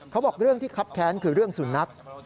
เขาบอกเรื่องที่คับแค้นคือเรื่องสุนัข